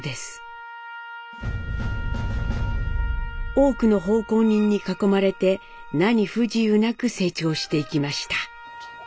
多くの奉公人に囲まれて何不自由なく成長していきました。